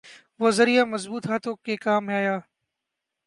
وہ ذریعہ مضبوط ہاتھوں کے کام آیا۔